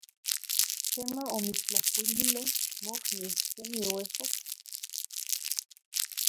Quema omitztlalcuiluile mokniu queni oehcoqueh?